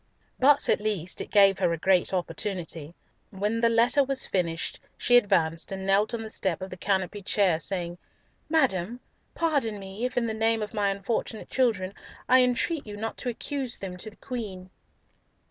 But, at least, it gave her a great opportunity. When the letter was finished, she advanced and knelt on the step of the canopied chair, saying, "Madam, pardon me, if in the name of my unfortunate children, I entreat you not to accuse them to the Queen."